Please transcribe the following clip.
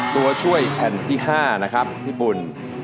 ตัวช่วยแผ่นที่๕นะครับพี่ปุ่น